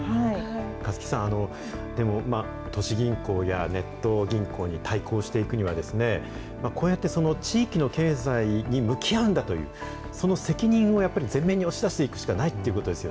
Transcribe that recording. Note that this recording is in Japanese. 甲木さん、でも、都市銀行やネット銀行に対抗していくには、こうやって地域の経済に向き合うんだという、その責任をやっぱり前面に押し出していくしかないってことですよ